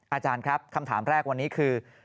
อาจารย์ครับคำถามแรกวันนี้คือ